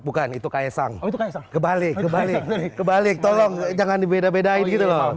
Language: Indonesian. bukan itu kaya sang kebalik kebalik tolong jangan dibedain gitu loh